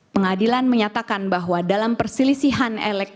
pengadilan menyatakan bahwa dalam perselisihan